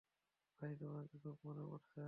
তাই তোমাকে খুব মনে পড়ছে।